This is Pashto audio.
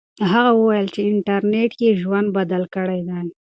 هغه وویل چې انټرنیټ یې ژوند بدل کړی دی.